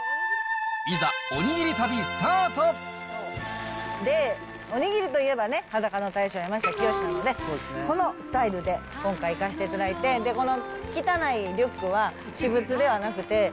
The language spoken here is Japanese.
いざ、で、おにぎりといえばね、裸の大将、やましたきよしさんのこのスタイルで今回、行かせていただいて、この汚いリュックは、私物ではなくて、